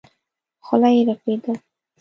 خوله يې رپېده.